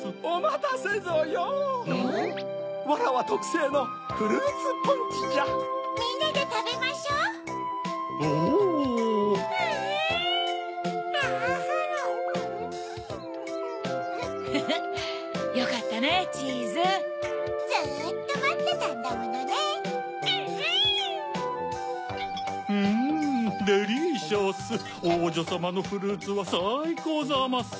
おうじょさまのフルーツはさいこうざます！